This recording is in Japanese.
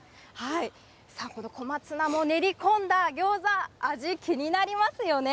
さあ、この小松菜も練り込んだギョーザ、味、気になりますよね。